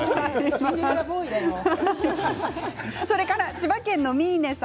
千葉県の方。